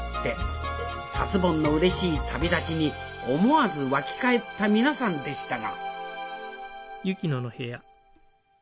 達ぼんのうれしい旅立ちに思わず沸き返った皆さんでしたが・・